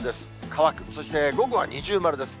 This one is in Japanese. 乾く、そして午後は二重丸です。